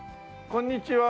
こんにちは。